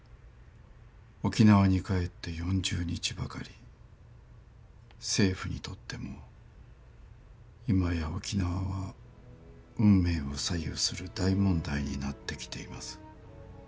沖縄に帰って４０日ばかり政府にとっても今や沖縄は運命を左右する大問題になってきています。